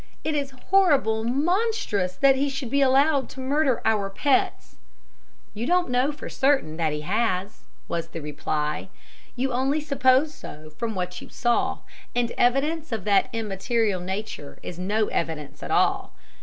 'It is horrible, monstrous that he should be allowed to murder our pets.' "'You don't know for certain that he has,' was the reply, 'you only suppose so from what you say you saw, and evidence of that immaterial nature is no evidence at all.